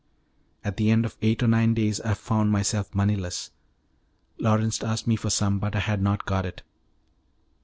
At the end of eight or nine days I found myself moneyless. Lawrence asked me for some, but I had not got it.